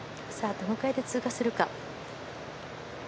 どのくらいで通過するか。